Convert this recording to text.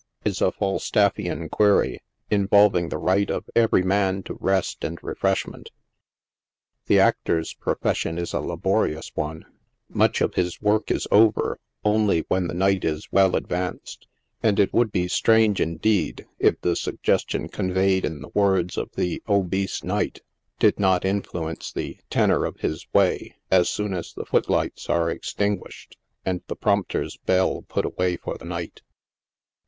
is a Falstaffian query, involving the right of every man to rest and refreshment. The actor's profession is a laborious one ; much of his work is over only when the night is well advanced, and it would be strange, indeed, if the suggestion conveyed in the words of the obese Knight did not influence the " tenor of his way" as soon as the foot lights are extinguished, and the prompter's bell put away for the night.